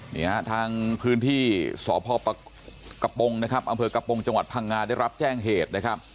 นี่ฮะทางพื้นที่สพกระโปรงนะครับอำเภอกระโปรงจังหวัดพังงาได้รับแจ้งเหตุนะครับ